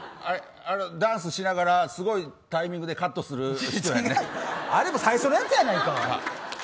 ダンスしながらすごいタイミングであれも最初のやつやないか。